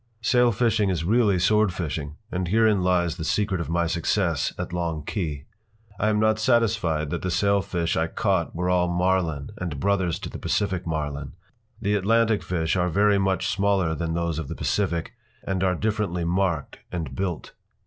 p> Sailfishing is really swordfishing, and herein lies the secret of my success at Long Key. I am not satisfied that the sailfish I caught were all Marlin and brothers to the Pacific Marlin. The Atlantic fish are very much smaller than those of the Pacific, and are differently marked and built.